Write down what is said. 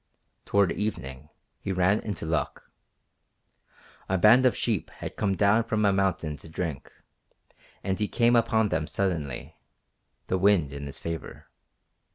Toward evening he ran into luck. A band of sheep had come down from a mountain to drink, and he came upon them suddenly, the wind in his favour.